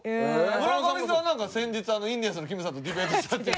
村上さんはなんか先日インディアンスのきむさんとディベートしてはった。